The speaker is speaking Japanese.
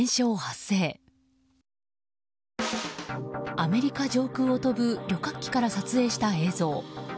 アメリカ上空を飛ぶ旅客機から撮影した映像。